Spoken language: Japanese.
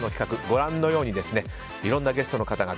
ご覧のようにいろんなゲストの方が。